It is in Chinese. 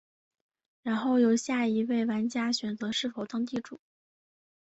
然后由下一位玩家选择是否当地主。